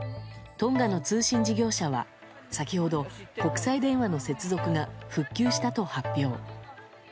トンガの通信事業者は先ほど、国際電話の接続が復旧したと発表。